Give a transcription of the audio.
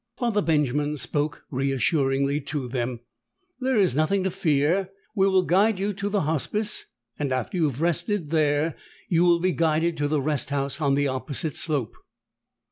Father Benjamin spoke reassuringly to them. "There is nothing to fear. We will guide you to the Hospice, and after you have rested there, you will be guided to the rest house on the opposite slope."